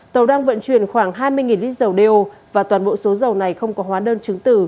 tàu đang vận chuyển khoảng hai mươi lít dầu đeo và toàn bộ số dầu này không có hóa đơn chứng tử